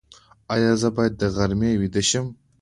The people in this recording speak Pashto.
ایا زه باید د غرمې ویده شم؟